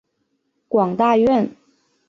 广大院。